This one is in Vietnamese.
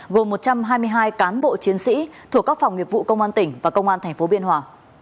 gồm một trăm hai mươi hai cán bộ chiến sĩ thuộc các phòng nghiệp vụ công an tỉnh và công an tp biên hòa